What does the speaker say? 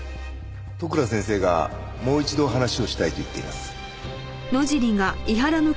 利倉先生がもう一度話をしたいと言っています。